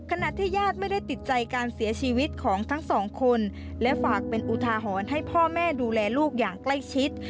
ขณะที่ญาติไม่ได้ติดใจการเสียชีวิตของทั้งสองคนและฝากเป็นอุทาหรณ์ให้พ่อแม่ดูแลลูกอย่างใกล้ชิด